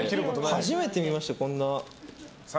初めて見ました、こんな。